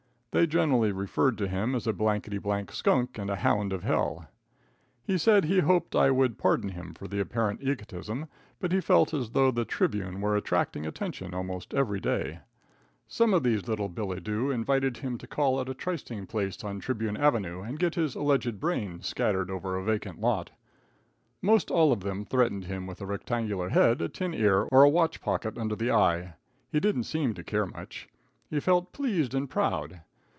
They generally referred to him as a blankety blank "skunk," and a "hound of hell." He said he hoped I wound pardon him for the apparent egotism, but he felt as though the Tribune was attracting attention almost everyday. Some of these little billet doux invited him to call at a trysting place on Tribune avenue and get his alleged brains scattered over a vacant lot. Most all of them threatened him with a rectangular head, a tin ear, or a watch pocket under the eye He didn't seem to care much. He felt pleased and proud.